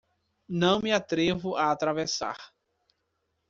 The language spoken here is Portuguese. Não me atrevo a atravessar